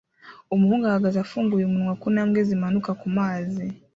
Umuhungu ahagaze afunguye umunwa kuntambwe zimanuka kumazi